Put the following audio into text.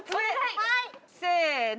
はいせの。